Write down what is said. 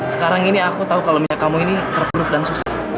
sekarang ini aku tahu kalau minyak kamu ini terpuruk dan susah